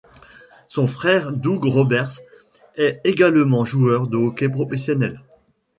Son frère Doug Roberts est également joueur de hockey professionnel.